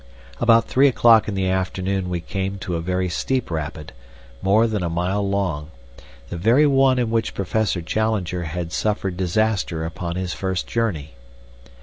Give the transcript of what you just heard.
About three o'clock in the afternoon we came to a very steep rapid, more than a mile long the very one in which Professor Challenger had suffered disaster upon his first journey.